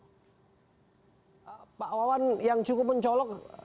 pak wawan yang cukup mencolok